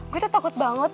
gue tuh takut banget